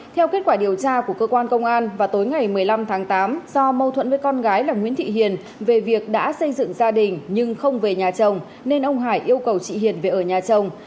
theo kết quả điều tra của cơ quan công an vào tối ngày một mươi năm tháng tám do mâu thuẫn với con gái là nguyễn thị hiền về việc đã xây dựng gia đình nhưng không về nhà chồng nên ông hải yêu cầu chị hiền về ở nhà chồng